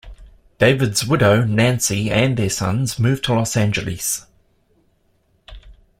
David's widow, Nancy, and their sons, moved to Los Angeles.